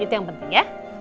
itu yang penting ya